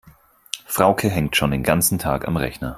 Frauke hängt schon den ganzen Tag am Rechner.